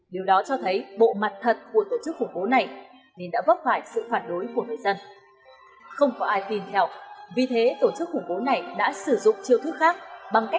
điều đó cho thấy bộ mặt thật của tổ chức khủng bố này